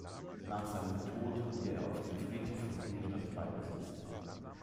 Nach seinem Tod wurde er auf dem Friedhof von Bierstadt beigesetzt.